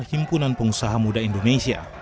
himpunan pengusaha muda indonesia